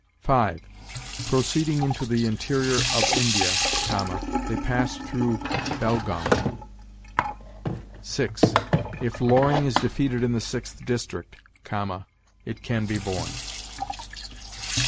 5. 'Proceeding into the interior of India[,] they passed through Belgaum.' 6. 'If Loring is defeated in the Sixth District[,] it can be borne.'